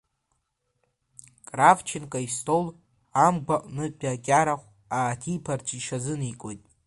Кравченко истол амгәаҟнытәи акьарахә ааҭиԥаарц иҽыназикуеит.